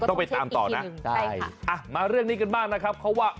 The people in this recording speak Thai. ต้องไปตามต่อนะได้อ่ะมาเรื่องนี้กันบ้างนะครับเขาว่า